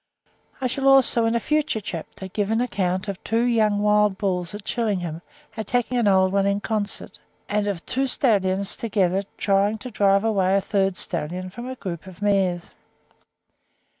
I shall also in a future chapter give an account of two young wild bulls at Chillingham attacking an old one in concert, and of two stallions together trying to drive away a third stallion from a troop of mares.